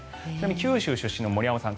九州出身の森山さん